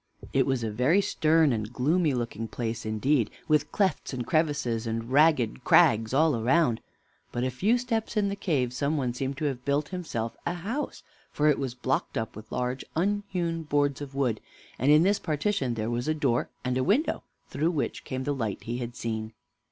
It was a very stern and gloomy looking place indeed, with clefts and crevices and ragged crags all around. But a few steps in the cave some one seemed to have built himself a house; for it was blocked up with large, unhewn boards of wood, and in this partition there was a door and a window, through which came the light he had seen.